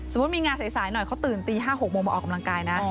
มีงานสายหน่อยเขาตื่นตี๕๖โมงมาออกกำลังกายนะ